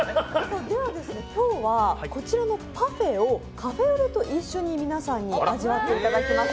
今日はこちらのパフェをカフェオレと一緒に皆さんに味わっていただきます。